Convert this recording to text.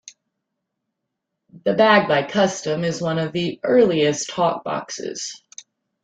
The Bag by Kustom is one of the earliest talk boxes.